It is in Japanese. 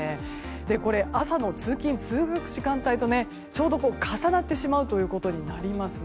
これ、朝の通勤・通学時間帯とちょうど重なってしまうことになります。